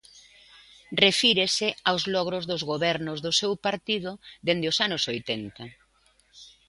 Refírese aos logros dos gobernos do seu partido desde os anos oitenta.